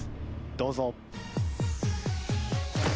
どうぞ。